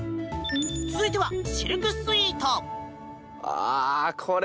続いては、シルクスイート。